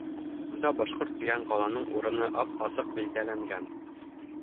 Унда Башҡорт тигән ҡаланың урыны ап-асыҡ билдәләнгән.